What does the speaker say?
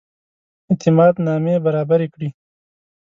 اعتماد نامې برابري کړي.